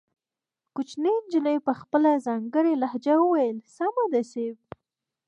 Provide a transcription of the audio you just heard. کوچنۍ نجلۍ په خپله ځانګړې لهجه وويل سمه ده صيب.